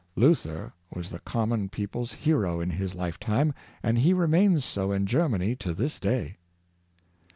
Luther was the common people's hero in his lifetime, and he remains so in Germany to this day.